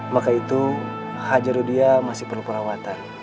maka itu hajarudia masih perlu perawatan